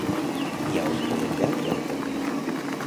I a on podem veure'l també?